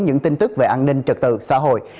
những tin tức về an ninh trật tự xã hội